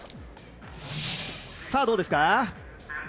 さあ、どうですか？